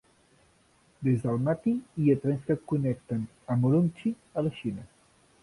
Des d'Almaty hi ha trens que connecten amb Ürümchi, a la Xina.